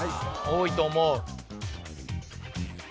・多いと思う